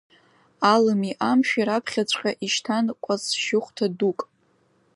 Алыми Амшәи раԥхьаҵәҟьа ишьҭан кәац жьыхәҭа дук.